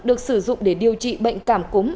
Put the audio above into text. được sử dụng để điều trị bệnh cảm cúm